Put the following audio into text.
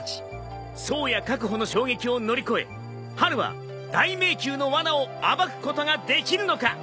颯也確保の衝撃を乗り越えハルは大迷宮のわなを暴くことができるのか？